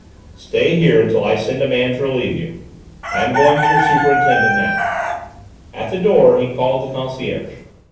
"Stay here until I send a man to relieve you; I am going to your superintendent now." At the door he called the concierge.